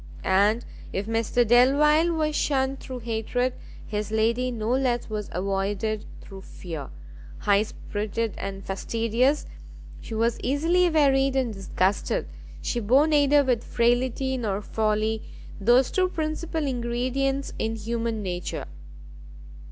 And if Mr Delvile was shunned through hatred, his lady no less was avoided through fear; high spirited and fastidious, she was easily wearied and disgusted, she bore neither with frailty nor folly those two principal ingredients in human nature!